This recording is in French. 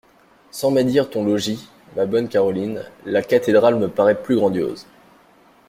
Sans médire de ton logis ma bonne Caroline, la cathédrale me paraît plus grandiose.